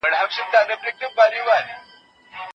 جامي مینځونکی د جامو داغونه ګوري.